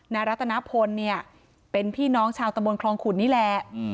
รัตนพลเนี่ยเป็นพี่น้องชาวตะบนคลองขุดนี่แหละ